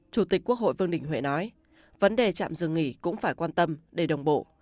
chủ tịch quốc hội vương đình huệ nói vấn đề trạm dừng nghỉ cũng phải quan tâm đầy đồng bộ